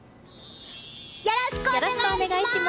よろしくお願いします！